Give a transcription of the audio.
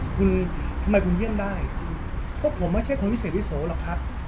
คุณทำไมคุณเยี่ยมได้พวกผมไม่ใช่คนพิเศษวิโสหรอกครับ